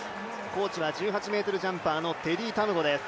コーチは１８ｍジャンパーのテディ・タムゴーです。